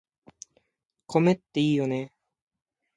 米っていいよね